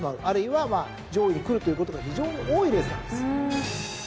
あるいは上位にくるということが非常に多いレースなんです。